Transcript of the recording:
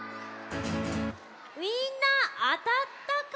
みんなあたったかな？